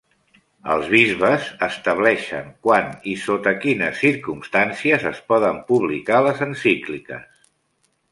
Els bisbes estableixen quan i sota quines circumstàncies es poden publicar les encícliques.